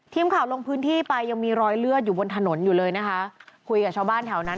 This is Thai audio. ทีมข่าวลงพื้นที่ไปยังมีรอยเลือดอยู่บนถนนอยู่เลยนะคะคุยกับชาวบ้านแถวนั้น